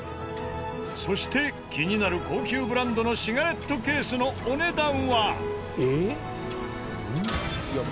そして気になる高級ブランドのシガレットケースのお値段は？ええ？